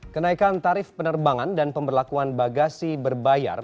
kenaikan tarif penerbangan dan pemberlakuan bagasi berbayar